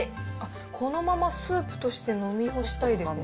このままスープとして飲み干したいですね。